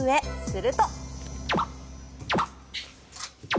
すると。